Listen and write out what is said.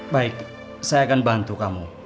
baik saya akan bantu kamu